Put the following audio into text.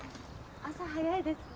朝早いですね。